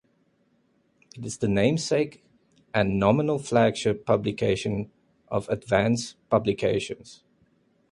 It is the namesake and nominal flagship publication of Advance Publications.